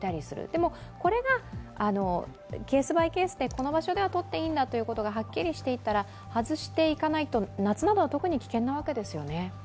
でも、これがケース・バイ・ケースでこの場所では取っていいんだとはっきりしていたら外していかないと、夏などは特に危険なわけですよね。